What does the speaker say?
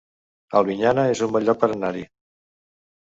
Albinyana es un bon lloc per anar-hi